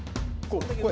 こう？